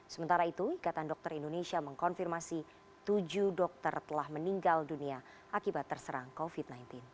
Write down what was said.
sementara itu ikatan dokter indonesia mengkonfirmasi tujuh dokter telah meninggal dunia akibat terserang covid sembilan belas